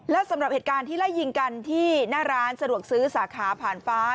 และสำหรับเหตุการณ์ที่ไล่ยิงกันที่หน้าร้านสะดวกซื้อสาขาผ่านฟ้า